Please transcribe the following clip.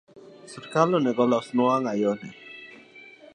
Sirkal nego olosnwa wangayo ni